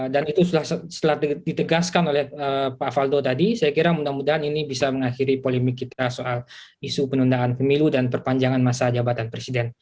dan itu setelah ditegaskan oleh pak faldo tadi saya kira mudah mudahan ini bisa mengakhiri polemik kita soal isu penundaan pemilu dan perpanjangan masa jabatan presiden